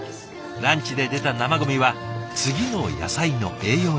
ランチで出た生ゴミは次の野菜の栄養に。